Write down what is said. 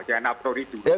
jangan nafuri dulu